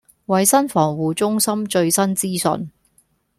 衞生防護中心最新資訊